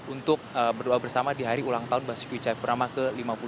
untuk berdoa bersama di hari ulang tahun basuki cahayapurnama ke lima puluh delapan